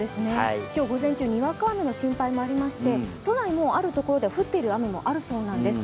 今日午前中、にわか雨の心配もありまして都内もあるところでは降っている雨もあるそうなんです。